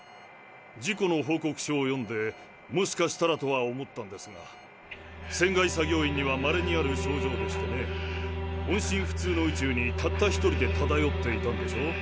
事故の報告書を読んでもしかしたらと思ったんですが船外作業員にはまれにある症状でしてね音信不通の宇宙にたった一人でただよっていたんでしょ。